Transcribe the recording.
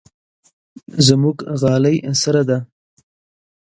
زموږ غالۍ سره ده.